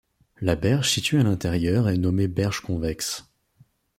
La berge située à l’intérieur est nommée berge convexe.